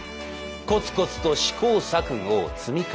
コツコツと試行錯誤を積み重ねる。